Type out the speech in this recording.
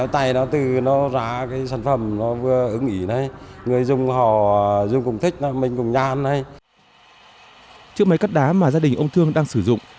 trước mấy cắt đá mà gia đình ông thương đang sử dụng